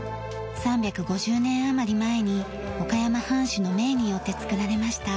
３５０年余り前に岡山藩主の命によって造られました。